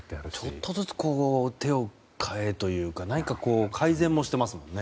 ちょっとずつ手を変えというか何か改善もしていますもんね。